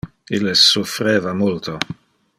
Illes suffereva multo.